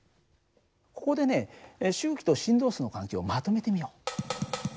ここでね周期と振動数の関係をまとめてみよう。